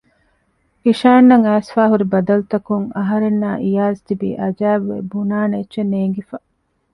އިޝާން އަށް އައިސްފައިހުރި ބަދަލުތަކުން އަހަރެންނާއި އިޔާޒް ތިބީ އަޖައިބުވެ ބުނާނެ އެއްޗެއް ނޭންގިފަ